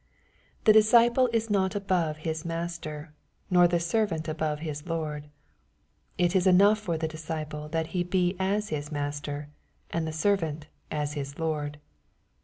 24 The disdple is not above his master, nor the servant above his lord. 25 It is enongh for the disciple that ho be as his master, and the servant as his lord.